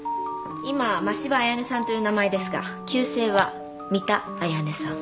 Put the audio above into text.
今は真柴綾音さんという名前ですが旧姓は三田綾音さん。